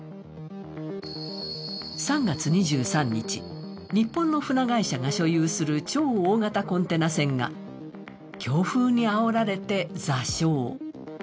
３月２３日、日本の船会社が所有する超大型コンテナ船が強風にあおられて座礁。